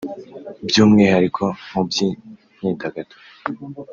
By’umwihariko mu by’imyidagaduro